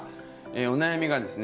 お悩みがですね